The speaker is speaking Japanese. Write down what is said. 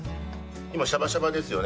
今シャバシャバですよね。